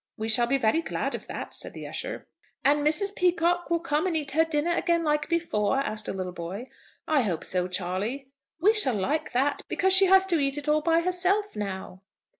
"We shall be very glad of that," said the usher. "And Mrs. Peacocke will come and eat her dinner again like before?" asked a little boy. "I hope so, Charley." "We shall like that, because she has to eat it all by herself now."